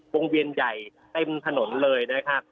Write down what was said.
เวียนใหญ่เต็มถนนเลยนะครับ